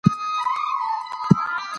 شراب او نشه مه کوئ.